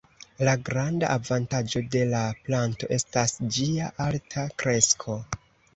La granda avantaĝo de la planto estas ĝia alta kresko.